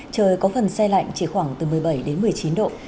trời có phần xe lạnh chỉ khoảng từ một mươi bảy đến một mươi chín độ